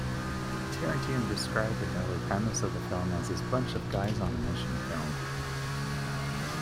Tarantino described an early premise of the film as his "bunch-of-guys-on-a-mission" film.